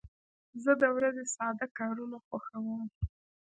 زه د ورځې ساده کارونه خوښوم.